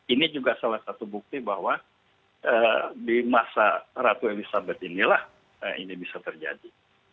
ini juga salah satu bukti bahwa di masa ratu elizabeth inilah ini bisa terjadi